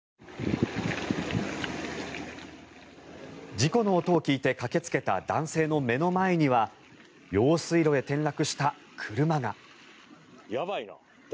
事故の音を聞いて駆けつけた男性の目の前には用水路へ転落した車が。